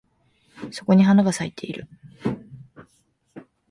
そこに花が咲いてる